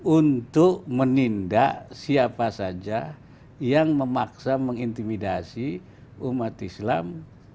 untuk menindak siapa saja yang memaksa mengintimidasi umat islam